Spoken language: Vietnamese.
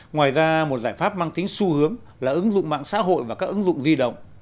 ngoài ra một giải pháp mang tính xu hướng là ứng dụng mạng xã hội và các ứng dụng di động